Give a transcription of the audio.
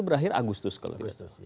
berakhir agustus kalau tidak